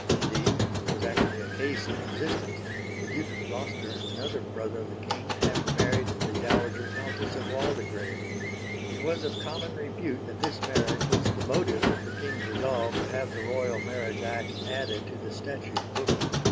Indeed there was actually a case in existence the Duke of Gloucester (another brother of the King) having married the dowager Countess of Waldegrave. It was of common repute that this marriage was the motive of the King's resolve to have the Royal Marriage Act added to the Statute book.